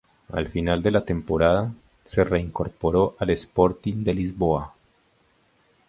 Al final de la temporada, se reincorporó al Sporting de Lisboa.